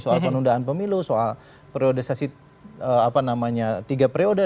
soal penundaan pemilu soal priorisasi tiga periode